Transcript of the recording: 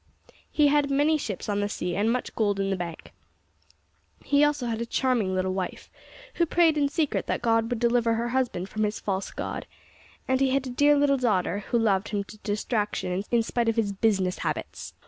He had many ships on the sea, and much gold in the bank. He had also a charming little wife, who prayed in secret that God would deliver her husband from his false god, and he had a dear little daughter who loved him to distraction in spite of his `business habits!'